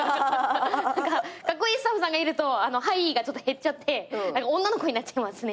カッコイイスタッフさんがいると「はい」が減っちゃって女の子になっちゃいますね。